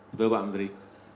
betul pak menteri